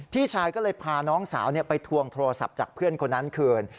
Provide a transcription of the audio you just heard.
พี่ชายก็เลยพาน้องสาวไปทวงโทรศัพท์จากเพื่อนคนนั้นคืน